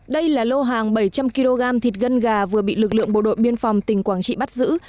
đây là lô hàng bảy trăm linh kg thịt gân gà vừa bị lực lượng bộ đội biên phòng tỉnh quảng trị bắt giữ